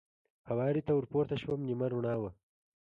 هوارې ته ور پورته شوم، نیمه رڼا وه.